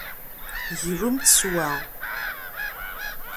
Glumt s wa.